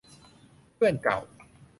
เพื่อนเก่า